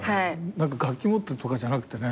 何か楽器持ってとかじゃなくてね。